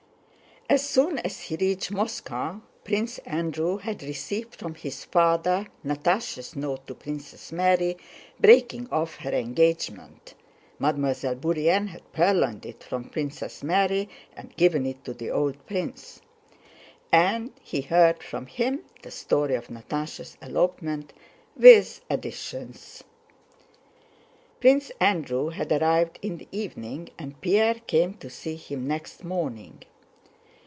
As soon as he reached Moscow, Prince Andrew had received from his father Natásha's note to Princess Mary breaking off her engagement (Mademoiselle Bourienne had purloined it from Princess Mary and given it to the old prince), and he heard from him the story of Natásha's elopement, with additions. Prince Andrew had arrived in the evening and Pierre came to see him next morning.